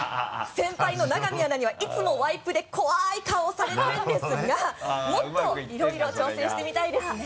先輩の永見アナにはいつもワイプで怖い顔をされるんですがもっといろいろ挑戦してみたいですね。